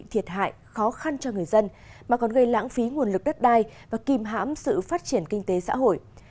thiệt hại khó khăn cho người dân mà còn gây lãng phí nguồn lực đất đai và kìm hãm sự phát triển kinh tế xã hội